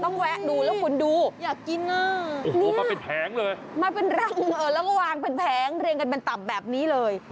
ต้องแวะดูแล้วคุณดูนี่มาเป็นรังเลยแล้วก็วางเป็นแผงเรียงกันเป็นตำแบบนี้เลย